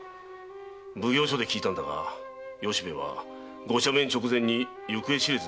奉行所で聞いたんだが由兵衛は御赦免直前に行方知れずになったそうだ。